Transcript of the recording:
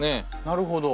なるほど。